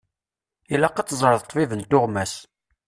Ilaq ad teẓreḍ ṭṭbib n tuɣmas.